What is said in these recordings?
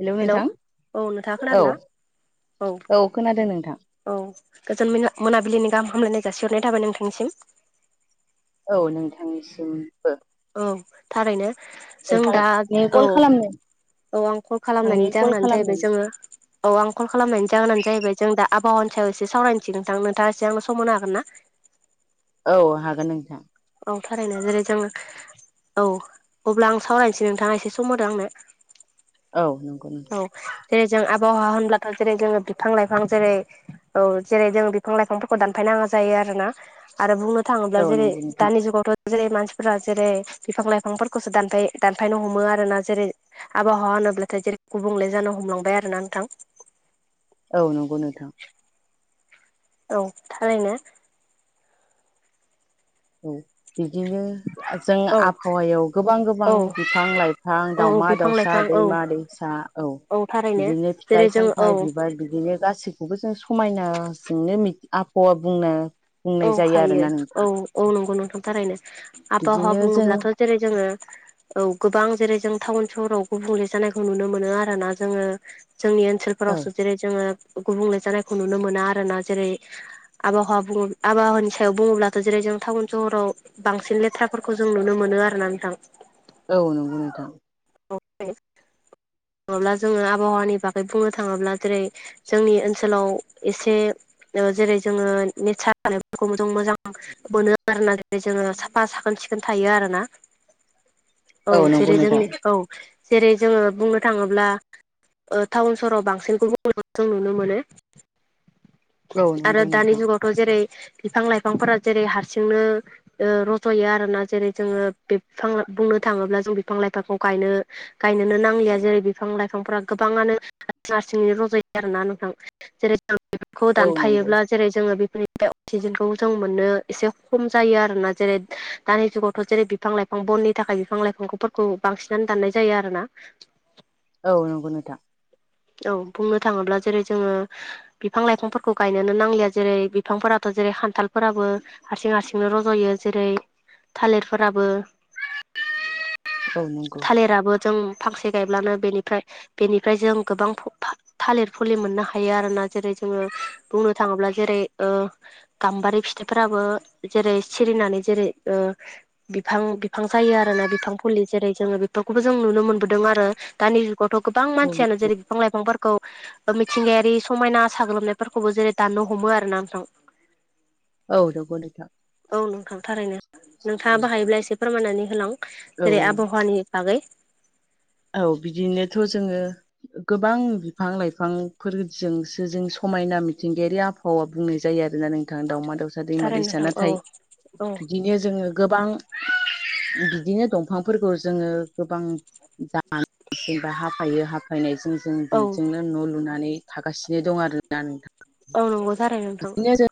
Hello नोंथां औ नोंथाङा औ खोनादों ना । औ खोनादों नोंथां। औ गोजोन मोनाबिलिनि गाहाम हामलायनाय जासिहरनाय थाबाय नोंथांनिसिम। औ नोंथांनिसिमबो औ थारैनो जों दा नोंथांनि औ कल खालामनो औ आं कल खालामनायनि नोंथांनि कल जाहोनानो जाहैबाय खालामनायनि जोङो। औ आं कल खालामनायनि जाहोनानो जाहैबाय जों दा आबहावनि सायाव एसे सावरायनोसिगोन नोंथां नोंथाङा एसे आंनो समावनो हागोन ना? औ हागोन नोंथां। औ थारैनो जेरै जोंङो औ अब्ला आं सावरायनोसै नोंथाङा एसे सम होदों आंनो। औ नंगौ नोंथां औ दे जों बावहा होनब्लाथ' जेरै जोङो बिफां लाइफां जेरै औ जेरै जों बिफां लाइफांफोरखौ दानफायनांगौ जायो। आरोना आरो बुंनो थाङोब्ला औ जेरै नंगौ नोंथां दानि जुगावथ' जेरै मानसिफोरा जेरै बिफां लाइफांफोरखौसो दा दानफायनो हमो आरोना जेरै आबहावा होनोब्लाथाय जेरै गुबुंले जानो हमलांबाय आरो ना नोंथां। औ नंगौ नोंथां। औ थारैनो औ बिदिनो जों औ आबहावायाव गोबां गोबां औ बिफां लाइफां औ दाउमा बिफां दाउसा लाइफां औ दैैमा दैसा औ थारैनो बिदिनो जेरै फिथाइ जों औ सामथाइ बिबार बिदिनो गासिबो बेखौबो जों समायनाजोंनो आबहावा बुंनो बुंनाय जायो आरोना नोंथां नंगौ नंगौ नोंथां थारैनो आबहावा बिदिनो जों बुङोब्लाथ' जेरै जोङो औ गोबां जेरै जों टाउन सहराव गुबुंले जानायखौ नुनो मोनो आरो ना जोङो जोंनि औ ओनसोलफोरावसो जेरै जोङो गुबुंले जानायखौ नुनो मोना आरोना जेरै आबहावा बुङो आबहावानि सायाव बुङोब्लाथ' जेरै जों टाउन सहराव बांसिन लेथ्राफोरखौ जों नुनो मोनो आरोना नोंथां औ नंगौ नोंथां [unintelligible] थाङोब्ला जोङो आबहावानि बागै बुंनो थाङोब्ला जेरै जोंनि ओनसोलाव एसे ओ जेरै जोङो नेसार फोरखौबो जों मोजां मोनो आरो ना जेरै जोङो साफा साखोन सिखोन थायो आरोना औ नंगौ जेरै नोंथां जोंनि औ जेरै जोङो बुंनो थाङोब्ला ओ टाउन सहराव बांसिन गुबुंलेखौ जों नुनो मोनो औ आरो नंगौ नोंथां दानि जुगावथ' जेरै बिफां लाइफांफोरा जेरै हारसिंनो ओ रज'यो आरोना जेरै जोङो बिफां बुंनो थाङोब्ला जों बिफां लाइफांखौ गायनो गायनोनो नांलिया जेरै बिफां लाइफांफ्रा गोबाङानो हारसिंनि रजायो आरोना नोंथां जेरै जों बेफोरखौ औ नंगौ दानफायोब्ला जेरै जोङो बे अक्सिजेनखौ जों मोननो एसे खम जायो आरोना जेरै दानि जुगावथ' जेरै बिफां लाइफां बननि थाखाय बिफां लाइफांफोरखौ बांसिनानो दाननाय जायो आरोना औ नंगौ नोंथां औ बुंनो थाङोब्ला जेरै जोङो बिफां लाइफांफोरखौ गायनोनो नांलिया जेरै बिफांफोराथ' जेरै खान्थालफोराबो हारसिं हारसिंनो रज'यो जेरै थालिरफोराबो औ नंगौ [unintelligible] थालिराबो जों फांसे गायब्लानो बेनिफ्राय बेनिफ्राय जों गोबां [unintelligible] थालिर फुलि मोननो हायो आरो ना जेरै जोङो बुंनो थाङोब्ला जेरै ओ गाम्बारि फिथाइ फिथाइफोराबो जेरै सिरिनानै जेरै ओ बिफां बिफां जायो आरोना बिफां फुलि जेरै जोङो बेफोरखौबो जों नुनो मोनबोदों आरो दानि जुगावथ' गोबां औ मानसियानो जेरै बिफां लाइफांफोरखौ मिथिंगायारि समायना साग्लोबनायफोरखौबो जेरै दाननो हमो आरोना नोंथां औ नंगौ नोंथां औ नोंथां थारैनो नोंथाङा औ बाहायोब्ला एसे फोरमायनानै होलां औ जेरै आबहावानि बागै औ बिदिनोथ' जोङो गोबां बिफां लाइफांफोरजोंसो जों समायना मिथिंगायारि आबहावा बुंनाय जायो आरो आरो नोंथां दावमा दाउसा दैमा थारैनो दैसा नोंथां औ नाथाय औ बिदिनो जोङो गोबां बिदिनो दंफांफोरखौ जोङो गोबां जेनबा हाफायो हाफायनायजों जों औ बेजोंनो न' लुनानै थागासिनो दं आरोना नोंथां औ नंगौ थारैनो नोंथां बिदिनो जों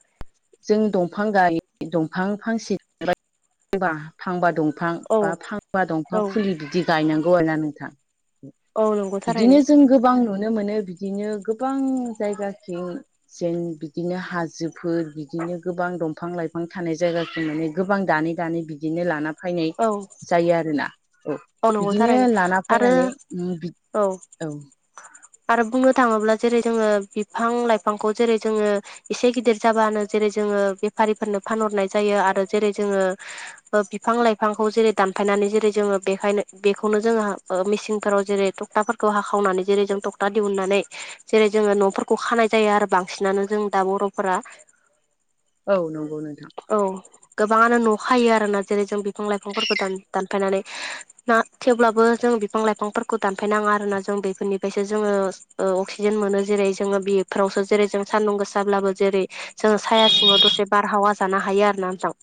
जों दंफां गाय दंफां फांसे फांबा दंफां दंफां औ बा फांबा दंफां औ फुलि बिदि गायनांगौ आरोना नोंथां औ नंगौ बिदिनो थारैनो जों गोबां नुयो नुनो मोनो बिदिनो गोबां जायगाथिं जेन बि बिदिनो हाजोफोर बिदिनो गोबां दंफां लाइफां थानाय जायगाखौ माने गोबां दानै दानै बिदिनो लाना औ जायो आरोना औ नंगौ बिदिनो थारैनो लाना आरो फैनानै औ आरो बुंनो थाङोब्ला जेरै जोङो बिफां लाइफांखौ जेरै जोङो एसे गिदिर जाबानो जेरै जों जोङो बेफारिफोरनो फानहरनाय जायो आरो जेरै जोङो बिफां लाइफांखौ जेरै दानफायनानै जेरै जोङो बेखायनो बेखौनो जोङो मेसिनफोराव जेरै थखथाफोरखौ हाखावनानै जेरै जों थखथा दिहुननानै जेरै जोङो न'फोरखौ खानाय जायो आरो बांसिनानो जों दा बर'फोरा औ नंगौ नोंथां औ गोबाङानो न'खायो आरोना जेरै जों बिफां लाइफांफोरखौन दानफायनानै थेवब्लाबो जों बिफां लाइफांफोरखौ दानफायनाङा आरोना जों बेफोरनिफ्रायसो जोङो अक्सिजेन मोनो जेरै जोङो बेफोरावसो जेरै जों सान्दुं गोसाब्लाबो जेरै जोङो साया सिङाव दसे बारहावा जानो हायो आरो ना नोंथां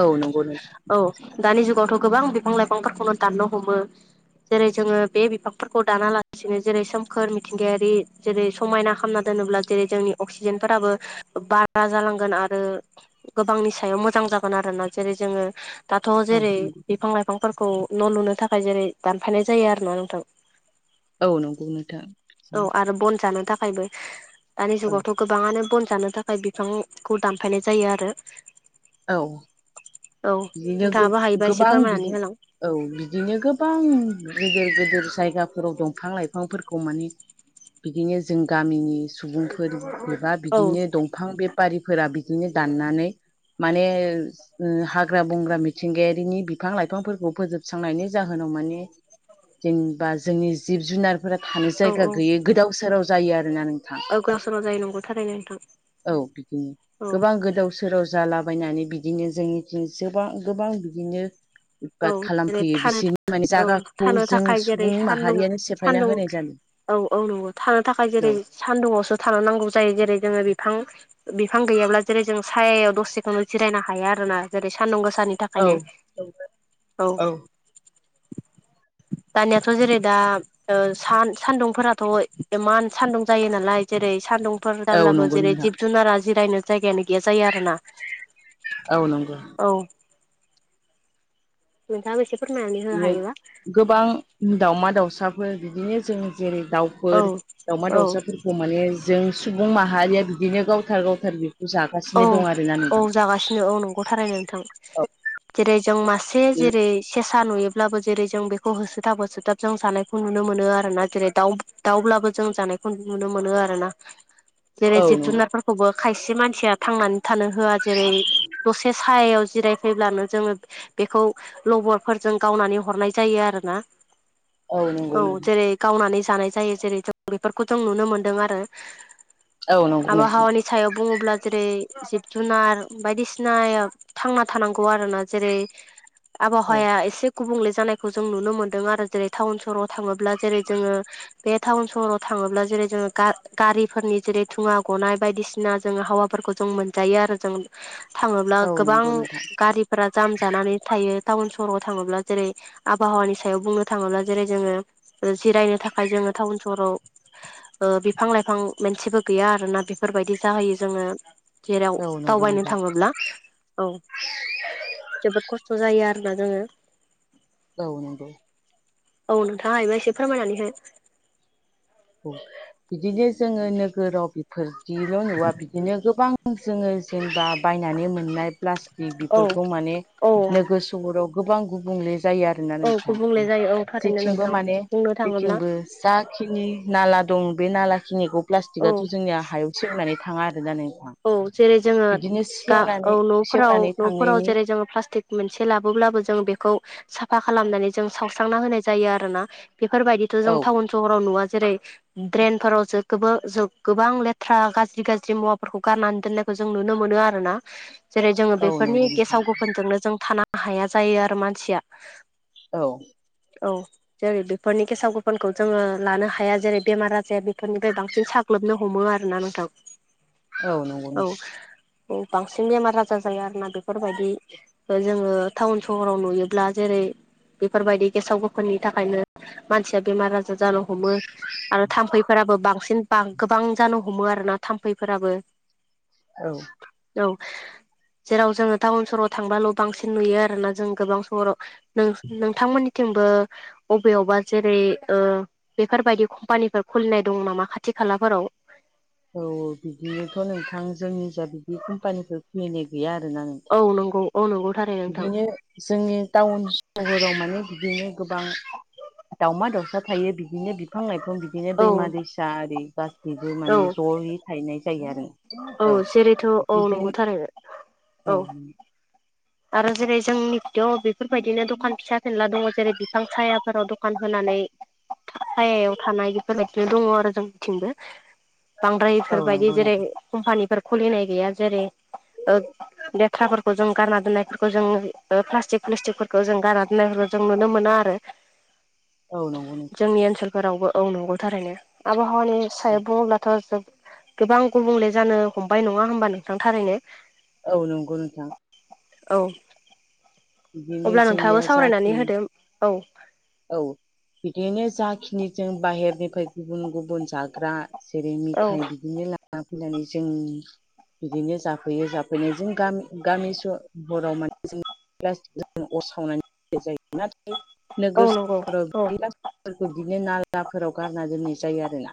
औ नंगौ नंगौ औ दानि जुगावथ' गोबां बिफां लाइफांफोरखौनो दाननो हमो जेरै जोङो बे बिफांफोरखौ दानालासिनो जेरै सोमखोर मिथिंगायारि जेरै समायना खालामना दोनोब्ला जेरै जोंनि अक्सिजेनफोराबो बारा जालांगोन आरो गोबांनि सायाव मोजां जागोन आरोना जेरै जोङो दाथ' औ जेरै नंगौ बिफां लाइफांफोरखौ न' लुनो थाखाय जेरै दानफायनाय जायो आरो न' नोंथां औ नंगौ नोंथां औ आरो बन जानो था खायबो दानि औ जुगावथ' गोबाङनो बन जानो थाखाय बिफांखौ दानफायनाय जायो आरो औ औ बिदिनो नोंथाङाबो गोब- हायोबा एसे गोबां फोरमायनानै बिदि होलां औ बिदिनो गोबां गेदेर गेदेर जायगाफोराव दंफां लाइफांफोरखौ माने बिदिनो जों गामिनि सुबुंफोर बा औ बिदिनो दंफां बेपारिफोरा बिदिनो दाननानै माने [unintelligible] हा ग्रा बंग्रा मिथिंगायारिनि बिफां लाइफांफोरखौ फोजोबस्रांनायनि जाहोनाव माने जेनबा जोंनि जिब जुनारफोरा थानो औ जायगा औ गैयै गोदाव सोराव जायो आरोना नों थां औ गावसोराव जायो नंगौ थारैनो नोंथां औ बिदिनो औ गोबां गोदावस सोराव जालाबायनानै बिदिनो जोंनिथिं जोबां गोबां बिदिनो उतपाट औ जेरै खालामफैयो थानो बिसोरनि थाखाय माने औ जागाखौ थानो जों थाखाय जेरै सुबुं सानदुं माहारियानो सेफायना सानदुं होनाय जादों औ औ नंगौ थानो थाखाय जेरै सान्दुंआवसो थानो नांगौ जायो जेरै जोङो बि फां बिफां गैयाब्ला जेरै जों सायायाव दसेखौनो जिरायनो हायो आरोना जेरै सानदुं गोस सानि औ थाखायनो औ दानियाथ' जेरै दा ओ सान - सान्दुंफोराथ' एमान सान्दुं जायो नालाय जेरै सानदुंफोर औ जाब्लाबो नंगौ जेरै नोंथां जिब जुनारा जिरायनो जायगायानो गैया जायो आरोना औ नंगौ औ नोंथांङाबो एसे फोरमायनानै होनो हायोबा [unintelligible] गोबां दावमा दाउसाफोर बिदिनो जों जेरै औ दाउफोर दाउमा औ दाउसाफोरखौ माने जों सुबुं माहारिया बिदिनो गावथार-गावथार औ औ जागासिनो औ नंगौ थारैनो नोंथां जेरै जों मासे जेरै सेसा नुयो ब्लाबो जेरै जों बेखौ होसोथाब होसोथाब जों जानायखौ नुनो मोनो आरोना जेरै दाउ- दाउब्लाबो जों जानाय बेखौ नुनो मोनो आरोना जेरै औ जिब नंगौ जुनारफोरखौबो खायसे मानसिया थांनानै थानो होआ जेरै दसे सायायाव जिराय फैब्लानो जोङो बेखौ लबरफोरजों गावनानै हरनाय जायो आरोना नंगौ औ नोंथां जेरै गावनानै जानाय जायो जेरै जों बेफोरखौथं नुनो मोनदों आरो औ नंगौ नोंथां आबहावानि सायाव बुङोब्ला [unintelligible] जिब जुनार बायदिसिनाय थांना थानांगौ आरो ना जेरै औ आबहावाया एसे गुबुंले जानायखौ जों नुनो मोन्दों आरो जेरै थाउन सहराव थाङोब्ला जेरै जोङो बे थाउन सहराव थाङोब्ला जेरै जोङो गा-गारिफोरनि जेरै धुङा गनाय बायदिसिना जोङो हावा फोरखौ जों मोनजायो आरो जों थाङोब्ला औ गोबां नंगौ नोंथां गारिफोरा जाम जानानै थायो। टाउन सहराव थाङोब्ला जेरै आबहावानि सायाव बुंनो थाङोब्ला जेरै जोङो ओ जिरायनो थाखाय जों थाउन सहराव ओ बिफां लाइफां मोनसेबो गैया आरोना बेफोर बायदि जाहैयो जोङो जेराव औ नंगौ दावबायनो नोंथां थाङोब्ला औ जोबोद खस्थ' जायो आ दा जोङो औ नंगौ औ नोंथाङा हायोबा एसे फोरमायनानै हो औ बिदिनो जोङो नोगोराव बेफोरदिल' नुवा बिदिनो गोबां जोङो जेनबा बायनानै मोननाय प्लास्टिक औ बेफोरखौ माने औ नोगोर सहराव गोबां गुबुंले जायो आरोना औ नोंथां। गुबुंले जायो औ थारैनो जेथिंबो नोंथां माने बुंनो थाङोब्ला जेथिंबो जाखिनि ला दं बे नालाखिनिखौ औ प्लास्टिकआथ' जोंनि हायाव सेवनानै थाङा आरो नों औ जेरै जोङो गा औ न'फोराव सेवनानै न'फोराव थांनायनि जेरै जोङो प्लास्टिक मोनसे लाबोब्लाबो जों बेखौ साफा खालामनानै जों सावस्रांना होनाय जायो आरो ना बेफोर बायदिथ' औ जों टाउन सहराव नुवा जेरै ड्रेनफोराव जो गोबां जो गोबां लेथ्रा गाज्रि गाज्रि मुवा फोरखौ गारनानै दोननायखौ जों नुनो मोनो आरोना। जेरै जोङो औ बेफोरनि नंगौ नोंथां गेसाव गोफोनजोंनो जों थानो हाया जायो आरो मानसिया औ औ जेरै बेफोरनि गेसाव गोफोनखौ जोङो लानो हाया जेरै बेमार आजाया बेफोरनिफ्राय बांसिन साग्लोबनो हमो आरोना नोंथां। औ नंगौ नोंथां। औ बांसिन बेमार आजार जायो आरो ना बेफोर बायदि जोङो टाउन सहराव नुयोब्ला जेरै रै बेफोर बायदि गेसाव गोफोननि थाखायनो मानसिया बेमार आजार जानो हमो आरो थाम्फैफोराबो बांसिन बां गोबां जानो हमो आरोना थाम्फैफोराबो औ [inaudible] जेराव जोङो टाउन सहराव थांबाल' बांसिन नुयो आरोना जों गोबां सहराव नोंसां-नोंथांमोननिथिं बो अबेयावबा जेरै ओ बेफोर बायदि कम्पानिफोर खुलिनाय दङ' नामा खाथि खाला लाफोराव औ औ बिदिनोथ' [inaudible] नोंथां जोंनि खिजा बिदि कम्पानिखौ खुलिनाय गैया आरो औ नंगौ। औ नंगौ थारै नोंथां बिदिनो जोंनि टाउन सहराव माने [inaudible] बिदिनो गोबां दावमा दावसा थायो बिदिनो बिफां लाइफां खो बिदिनो औ दैमा दैसा आरि गासैबो औ माने ज'यै थाहैनाय जायो आरो औ जेरैथ' औ बिदिजों नंगौथारनो औ। आरो जेरै जोंनिखिथ' बेफोर बायदिनो दखान फिसा फेनला दङ' जेरै बिफां सायाफोराव दख दखान होनानै सायायाव थानाय बेफोर बायदिनो दङ' आरो जोंथिंबो बांद्रायफोर औ इफोर बायदि नंगौ जेरै नोंथां कम्पानि खुलिनाय गैया जेरै ओ लेथ्राफोरखौ जों गारना दोननाय फोरफोरखौ जों ओ फ्लाष्टिक-फ्लुसटिकफोरखौ जों गानना दोननायफोरखौ जों नुनो मोना आरो। औ नंगौ नोंथां। फोरावबो औ नंगौ थारैनो। आबहावानि नोंथां सायाव बुङोब्लाथ' जोब गोबां गुबुंले जानो हमबाय नङा होमबा नोंथां थारैनो औ नंगौ नोंथां औ बिदिनो अब्ला नोंथाङाबो जोंनिया जाखि सावरायनानै होदो औ औ बिदिनो जाखिनि जों बाहेरनिफ्राय गुबुन गुबुन जाग्रा जेरै औ मिथाइ बिदिनो लाना फैनानै जोंनि बिदिनो जाफैयो जाफैनायजों गामि गामि सहराव माने जों ज अरसावनानै जायो नाथाय औ नोगोर नंगौ सहाव औ बे [unintelligible] बिदिनो नालाफोराव गारना दोननाय जायो आरो ना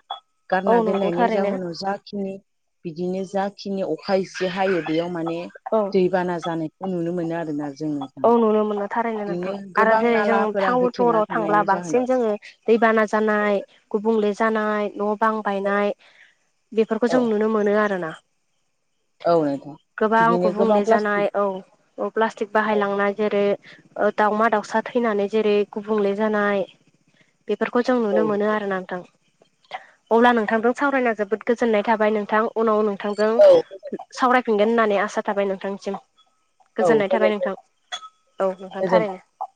गारना औ नंगौ दोननायनि थारैनो जाहोनाव जाखिनि। बिदिनो जाखिनि अखा इसे हायो बेयाव माने औ दैबाना जानाय। नुनो मोनो आरोना। जों नोंथां औ नुनो मोनो थारैनो नोंथां बिदिनो आरो गोबां जेरै जों नालाफोरा टाउन होथेना सहराव थांब्ला थानायनि बांसिन जाहोनाव जोङो दैबाना। जानाय गुबुंले। जानाय न' बां बायनाय बेफोरखौ औ जों नुनो मोनो आरो ना। औ नोंथां गोबां बिदिनो गोबां गुबुंले जानाय प्लास्टिक औ औ प्लास्टिक। बाहाय औ लांनाय जेरै दाउमा दाउसा थैनानै जेरै गुबुंले जानाय। बेफोरखौ जों औ नुनो मोनो आरो ना नोंथां। अब्ला नोंथांदों सावरायना जोबोद गोजोननाय थाबाय नोंथां उनाव नों। नोंथांजों औ सावरायफिनगोन होननानै आसा थाबाय नोंथांनिसिम औ गोजोननाय थाबाय नों गोजोनथों औ नोंथां गोजोनथों थारैनो।